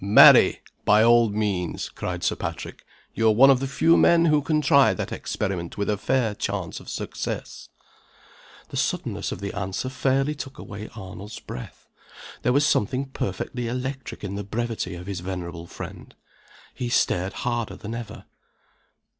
"Marry, by all means!" cried Sir Patrick. "You are one of the few men who can try that experiment with a fair chance of success." The suddenness of the answer fairly took away Arnold's breath. There was something perfectly electric in the brevity of his venerable friend. He stared harder than ever.